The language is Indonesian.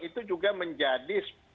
itu juga menjadi